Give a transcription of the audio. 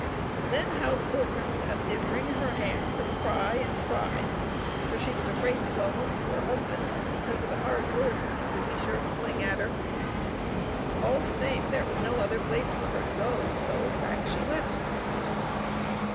Then how the poor princess did wring her hands and cry and cry, for she was afraid to go home to her husband, because of the hard words he XJ^lft )d|inee$s$(tdbif^l^ete8ffiz^tot^mathet would be sure to fling at her. All the same, there was no other place for her to go ; so back she went.